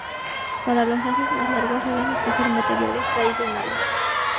Para los lazos más largos suelen escoger materiales tradicionales.